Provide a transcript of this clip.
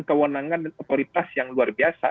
kewenangan dan otoritas yang luar biasa